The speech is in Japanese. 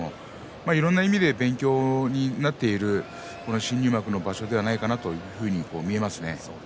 いろいろな意味で勉強になる新入幕の場所ではないかと重いますね。